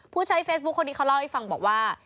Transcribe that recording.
ผู้ใช้เฟซบุ๊คคนนี้เขาเล่าให้ฟังบอกว่า